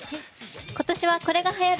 今年はこれが流行る！